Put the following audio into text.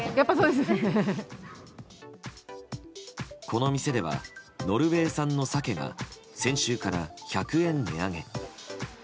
この店ではノルウェー産のサケが先週から１００円値上げ。